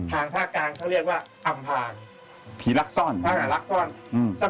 ทางภาคกลางเขาเรียกว่าอัมภาพภีรักษรภารักษรอะ